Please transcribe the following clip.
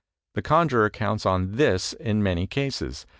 The conjurer counts on this in many cases.